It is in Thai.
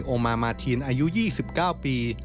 นายอมมาร์มาร์ทีนอายุ๒๙ปี